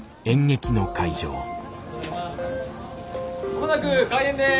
間もなく開演です。